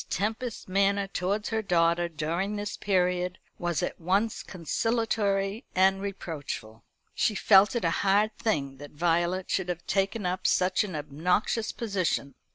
Tempest's manner towards her daughter during this period was at once conciliatory and reproachful. She felt it a hard thing that Violet should have taken up such an obnoxious position.